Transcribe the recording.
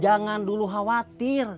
jangan dulu khawatir